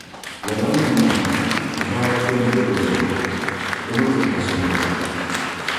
Lalanim’ maa, azaabakpeeni be bɛ zuɣu, bɛ mi ti ka sɔŋdiba.